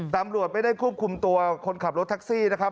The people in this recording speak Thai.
ตำรวจไม่ได้ควบคุมตัวคนขับรถแท็กซี่นะครับ